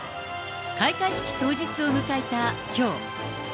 開会式当日を迎えたきょう。